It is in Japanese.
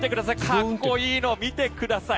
かっこいいの、見てください。